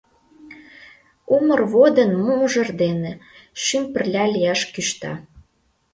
Умыр водын мужыр дене Шӱм пырля лияш кӱшта.